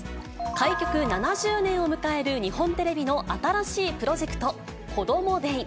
開局７０年を迎える日本テレビの新しいプロジェクト、こどもｄａｙ。